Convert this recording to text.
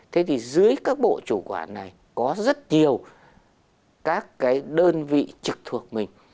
thế thì dưới các bộ chủ quản này có rất nhiều các cái đơn vị trực thuộc mình